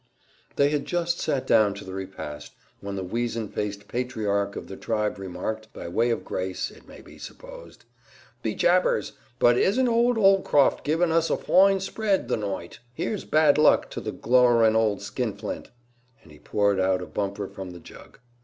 They had just sat down to the repast when the weazen faced patriarch of the tribe remarked, by way of grace, it may be supposed, "Be jabers, but isn't ould Holcroft givin' us a foine spread the noight! Here's bad luck to the glowerin' ould skinflint!" and he poured out a bumper from the jug.